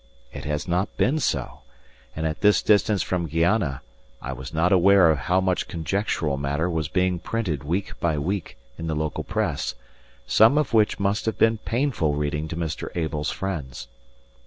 It has not been so; and at this distance from Guiana I was not aware of how much conjectural matter was being printed week by week in the local press, some of which must have been painful reading to Mr. Abel's friends.